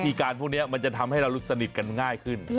การพวกนี้มันจะทำให้เรารู้สนิทกันง่ายขึ้น